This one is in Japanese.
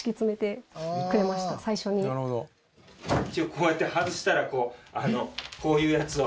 こうやって外したらこうこういうやつを。